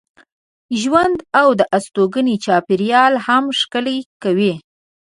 ژوند او د استوګنې چاپېریال هم ښکلی کوي.